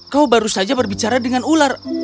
kau baru saja berbicara dengan ular